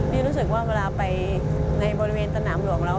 รู้สึกว่าเวลาไปในบริเวณสนามหลวงแล้ว